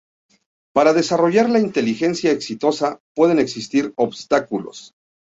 Para desarrollar la inteligencia exitosa, pueden existir obstáculos.